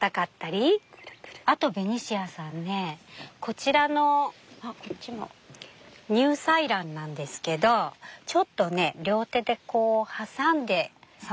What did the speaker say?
あとベニシアさんねこちらのニューサイランなんですけどちょっとね両手でこう挟んで触ってみて下さい。